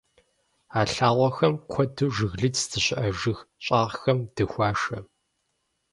А лъагъуэхэм куэду жыглыц здэщыӏэ жыг щӀагъхэм дыхуашэ.